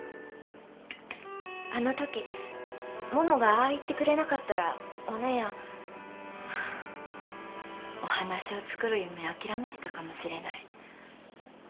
あの時ももがああ言ってくれなかったらお姉やんお話を作る夢諦めてたかもしれない。